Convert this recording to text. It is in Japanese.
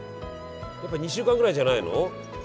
えやっぱ２週間ぐらいじゃないの？